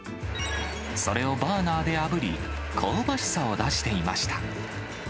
それをバーナーであぶり、香ばしさを出していました。